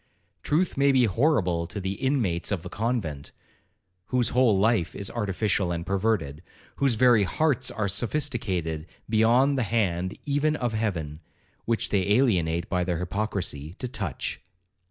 Truth may be horrible to the inmates of a convent, whose whole life is artificial and perverted,—whose very hearts are sophisticated beyond the hand even of Heaven (which they alienate by their hypocrisy) to touch.